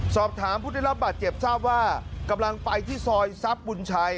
สอบถามผู้ได้รับบาดเจ็บทราบว่ากำลังไปที่ซอยทรัพย์บุญชัย